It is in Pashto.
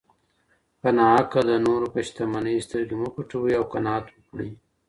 په ناحقه د نورو په شتمنۍ سترګې مه پټوئ او قناعت وکړئ.